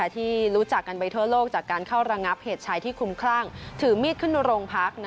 ที่รู้จักกันไปทั่วโลกจากการเข้าระงับเหตุชายที่คุ้มคลั่งถือมีดขึ้นโรงพัก